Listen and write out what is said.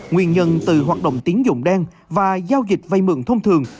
nguyên nhân từ hoạt động tiến dụng đen và giao dịch vay mượn thông thường